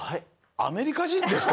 アメリカじんですか？